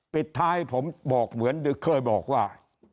ปิดท้ายผมบอกเหมือนเคยบอกว่า